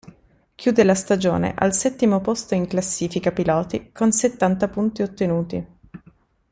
Chiude la stagione al settimo posto in classifica piloti con settanta punti ottenuti.